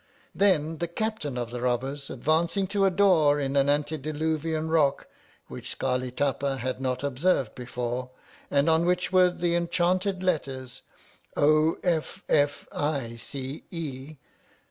Then the Captain of the Robbers, advancing to a door in an antedilu vian rock, which Scarli Tapa had not observed before, and on which were the enchanted letters O. F. F. I. C. E.